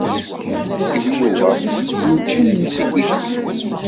Nekk d Yuba nečča imensi kifkif.